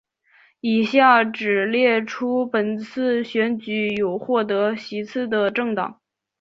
以下只列出本次选举有获得席次的政党